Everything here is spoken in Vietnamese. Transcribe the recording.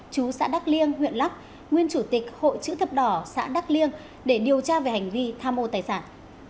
chú xã đắc liêng huyện lắc nguyên chủ tịch hội chữ thập đỏ xã đắk liêng để điều tra về hành vi tham ô tài sản